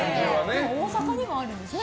でも大阪にもあるんですね